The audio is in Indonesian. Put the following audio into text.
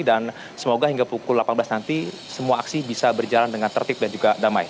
dan semoga hingga pukul delapan belas nanti semua aksi bisa berjalan dengan tertib dan juga damai